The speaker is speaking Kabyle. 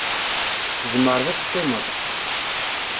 Tzemreḍ ad teqqimeḍ.